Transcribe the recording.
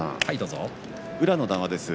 宇良の談話です。